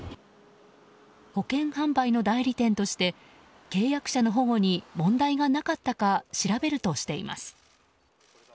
保険販売の代理店として契約者の保護に問題がなかったか調べるとしています。